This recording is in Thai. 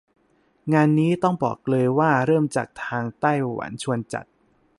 งานนี้ต้องบอกเลยว่าเริ่มจากทางไต้หวันชวนจัด